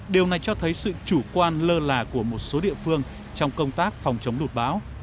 điều này cho thấy sự chủ quan lơ là của một số địa phương trong công tác phòng chống lụt bão